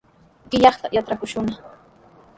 Qillqayta yatrakushunna.